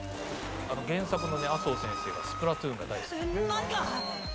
原作のね麻生先生が「スプラトゥーン」が大好き。